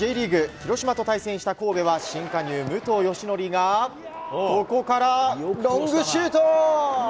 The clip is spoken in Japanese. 広島を対戦した神戸は新加入、武藤嘉紀がここからロングシュート。